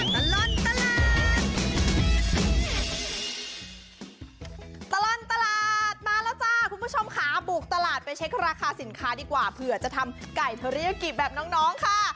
ตลอดตลาดตลอดตลาดมาแล้วจ้ะคุณผู้ชมขาบุกตลาดไปเช็คราคาสินค้าดีกว่าเพื่อจะทำไก่ทะเลี่ยกิบแบบน้องน้องค่ะ